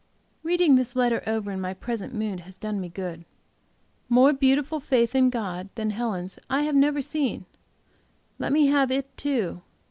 Reading this letter over in my present mood has done me good. More beautiful faith in God than Helen's I have never seen; let me have it, too.